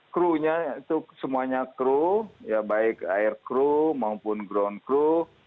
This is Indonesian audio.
crew nya itu semuanya crew ya baik air crew maupun ground crew